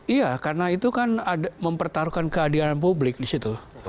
iya karena itu kan mempertaruhkan kehadiran publik di situ